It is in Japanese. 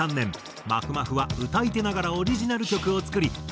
まふまふは歌い手ながらオリジナル曲を作り